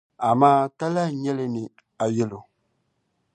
Amaa talahi n-nyɛ li ni a yɛli o.